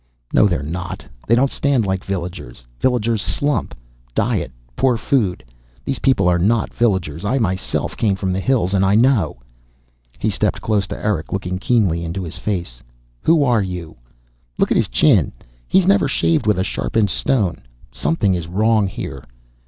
"No, they're not. They don't stand like villagers. Villagers slump diet, poor food. These people are not villagers. I myself came from the hills, and I know." He stepped close to Erick, looking keenly into his face. "Who are you? Look at his chin he never shaved with a sharpened stone! Something is wrong here."